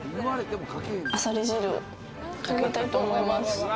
あさり汁かけたいと思います。